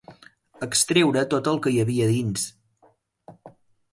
Extreure tot el que hi havia dins.